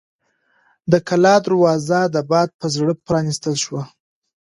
د کلا دروازه د باد په زور پرانیستل شوه.